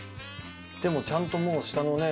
でもちゃんともう下のね